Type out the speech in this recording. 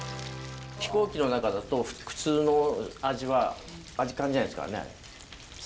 飛行機の中だと普通の味は味感じないですからね。